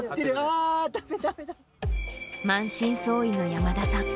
満身創痍の山田さん。